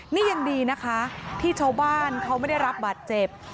นี่ยังดีนะคะที่ชาวบ้านเขาไม่ได้รับบาดเจ็บ